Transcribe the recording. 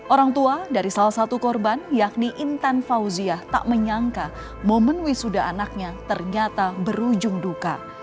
orang tua dari salah satu korban yakni intan fauzia tak menyangka momen wisuda anaknya ternyata berujung duka